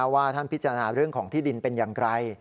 ว่าท่านพิจารณาเรื่องของที่ดินเป็นอย่างไร